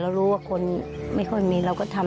ป้าก็ทำของคุณป้าได้ยังไงสู้ชีวิตขนาดไหนติดตามกัน